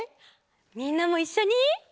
みんなもいっしょに！